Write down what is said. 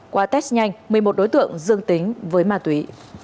qua test nhanh một mươi một đối tượng dương tính với ma túy